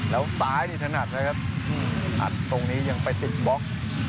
แล้วซ้ายนี้ถนัดเลยครับตรงนี้ยังไปติดบ๊อค